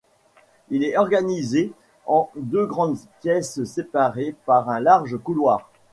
Il est organisé en deux grandes pièces séparées par un large couloir.